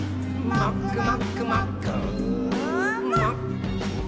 「もっくもっくもっくー」